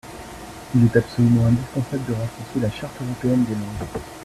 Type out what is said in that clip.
Il est absolument indispensable de ratifier la Charte européenne des langues.